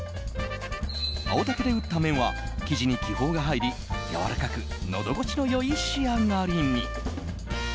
青竹で打った麺は生地に気泡が入りやわらかくのど越しのいい仕上がりに。